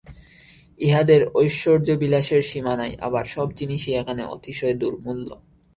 ইহাদের ঐশ্বর্যবিলাসের সীমা নাই, আবার সব জিনিষই এখানে অতিশয় দুর্মূল্য।